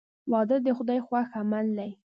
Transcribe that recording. • واده د خدای خوښ عمل دی.